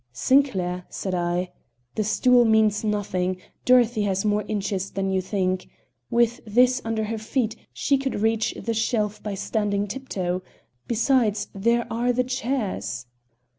"Sinclair," said I, "the stool means nothing. Dorothy has more inches than you think. With this under her feet, she could reach the shelf by standing tiptoe. Besides, there are the chairs."